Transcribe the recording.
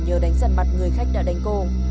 nhờ đánh dần mặt người khách đã đánh cầu